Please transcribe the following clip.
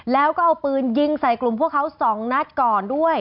แล้วก็เอาปืนยิงใส่กลุ่มพวกเขา๒นัดก่อนด้วย